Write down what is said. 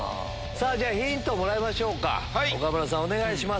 じゃあヒントもらいましょうか岡村さんお願いします。